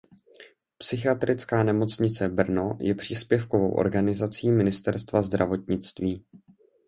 Psychiatrická nemocnice Brno je příspěvkovou organizací Ministerstva zdravotnictví.